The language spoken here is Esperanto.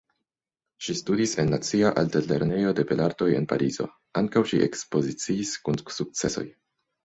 Ŝi studis en Nacia Altlernejo de Belartoj en Parizo, ankaŭ ŝi ekspoziciis kun sukcesoj.